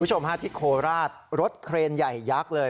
คุณผู้ชมฮะที่โคราชรถเครนใหญ่ยักษ์เลย